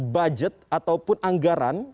budget ataupun anggaran